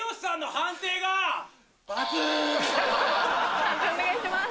判定お願いします。